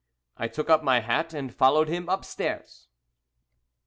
I took up my hat and followed him upstairs.